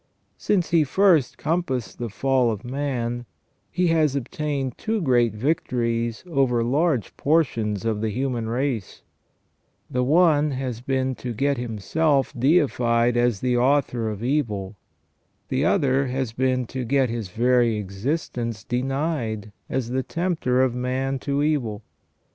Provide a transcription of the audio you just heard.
Since he first compassed the fall of man, he has obtained two great victories over large portions of the human race : the one has been to get himself deified as the author of evil ; the other has been to get his very existence denied as the tempter of man to evil.